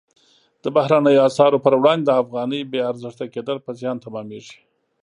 د بهرنیو اسعارو پر وړاندې د افغانۍ بې ارزښته کېدل په زیان تمامیږي.